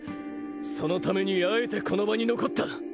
そのためにあえてこの場に残った。